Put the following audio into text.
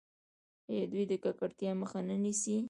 آیا دوی د ککړتیا مخه نه نیسي؟